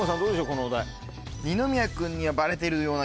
このお題。